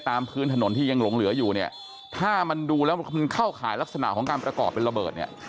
ตามพื้นถนนที่ยังหลงเหลืออยู่เนี่ยถ้ามันดูแล้วมันเข้าข่ายลักษณะของการประกอบเป็นระเบิดเนี่ย